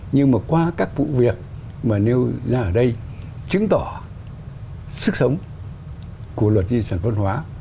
nhưng mà qua các vụ việc mà nêu ra ở đây chứng tỏ sức sống của luật di sản văn hóa